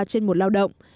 trên một lao động